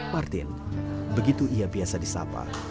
martin begitu ia biasa disapa